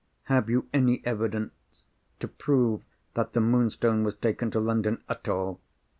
Have you any evidence to prove that the Moonstone was taken to London at all?